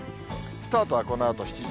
スタートはこのあと７時。